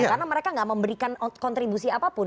karena mereka gak memberikan kontribusi apapun